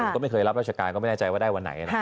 ก็ไม่เคยรับราชการก็ไม่แน่ใจว่าได้วันไหนนะครับ